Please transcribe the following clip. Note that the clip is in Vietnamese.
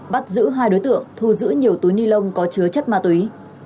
bắt giữ hai đối tượng thu giữ nhiều túi ni lông có chứa chất ma túy